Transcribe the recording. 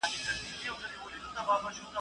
o په يوه لاس کي دوې هندوانې نه نيول کېږي.